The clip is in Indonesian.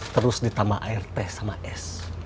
terus ditambah air teh sama es